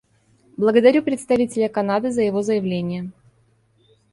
Благодарю представителя Канады за его заявление.